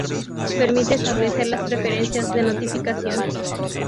Permite establecer las preferencias de notificaciones.